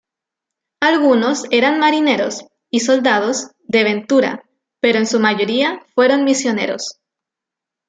Algunos eran marineros y soldados de ventura pero en su mayoría fueron misioneros.